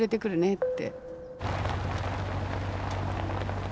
って。